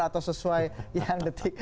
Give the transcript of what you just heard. atau sesuai yang detik